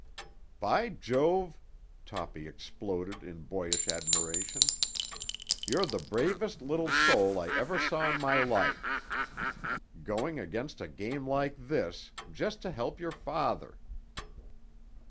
"By Jove!" Toppy exploded in boyish admiration. "You're the bravest little soul I ever saw in my life! Going against a game like this, just to help your father!"